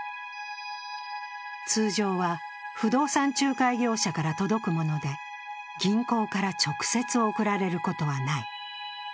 通常は、不動産仲介業者から届くもので、銀行から直接送られることはない。